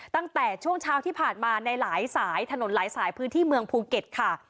ตั้งแต่ช่วงเช้าที่ผ่านมาในหลายสายถนนหลายสายพื้นที่เมืองภูเก็ตค่ะ